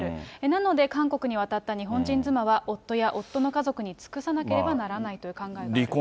なので、韓国に渡った日本人妻は夫や夫の家族に尽くさなければならないという考えがある。